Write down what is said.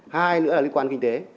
hai nữa là liên quan kinh tế